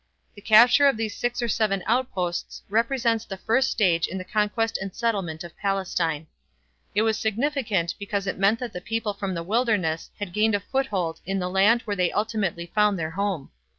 The capture of these six or seven outposts represents the first stage in the conquest and settlement of Palestine. It was significant because it meant that the people from the wilderness had gained a foothold in the land where they ultimately found their home.